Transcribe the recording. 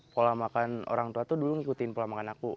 pola makan orang tua tuh dulu ngikutin pola makan aku